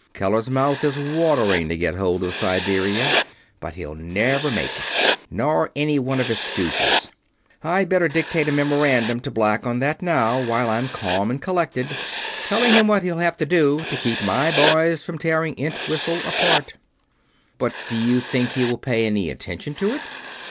Keller's mouth is watering to get hold of Siberia, but he'll never make it, nor any one of his stooges.... I'd better dictate a memorandum to Black on that now, while I'm calm and collected; telling him what he'll have to do to keep my boys from tearing Entwhistle apart." "But do you think he will pay any attention to it?"